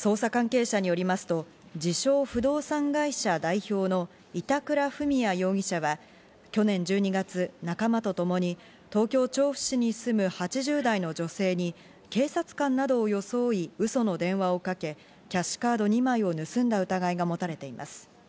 捜査関係者によりますと、自称不動産会社代表の板倉史也容疑者は、去年１２月、仲間とともに東京・調布市に住む８０代の女性に警察官などを装いウソの電話をかけ、キャッシュカード２枚を盗んだ疑いが持たれています。